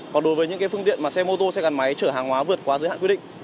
còn đối với những phương tiện mà xe mô tô xe gắn máy chở hàng hóa vượt qua giới hạn quy định